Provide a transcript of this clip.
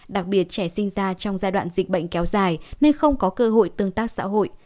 đặc biệt trẻ sinh ra trong giai đoạn dịch bệnh kéo dài nên không có cơ hội tương tác xã hội